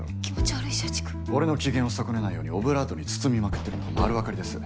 俺の機嫌を損ねないようにオブラートに包みまくってるのが丸わかりです。